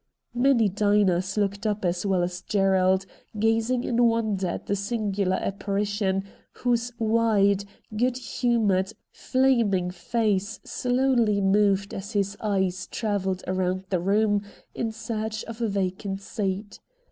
Many diners looked up as well as Gerald, gazing in wonder at the singular apparition, whose wide, good humoured, flaming face slowdy moved as his eyes travelled round the room in search of a vacant seat.